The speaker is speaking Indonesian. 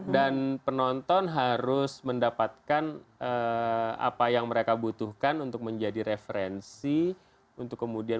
dan penonton harus mendapatkan apa yang mereka butuhkan untuk menjadi referensi untuk kemudian